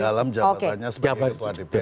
dalam jabatannya sebagai ketua dpr